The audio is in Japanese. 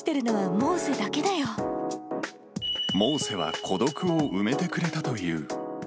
モーセは孤独を埋めてくれたという。